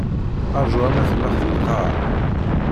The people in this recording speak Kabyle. Rǧu arma tellext lqaɛa.